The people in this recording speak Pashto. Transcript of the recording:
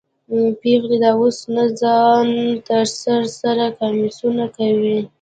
پیغلې د اوس نه ځان ته سره سره کمیسونه کوي